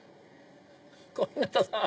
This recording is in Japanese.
小日向さん！